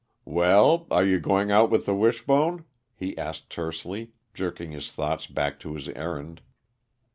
"Well, are you going out with the Wishbone?" he asked tersely, jerking his thoughts back to his errand.